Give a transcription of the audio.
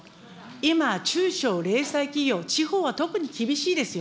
今、中小・零細企業、地方は特に厳しいですよ。